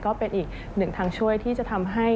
ก็เป็นอีกหนึ่งทางช่วยที่จะทำให้